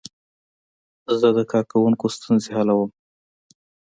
زه د کاروونکو ستونزې حلوم.